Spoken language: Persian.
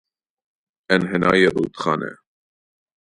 انحنای رودخانه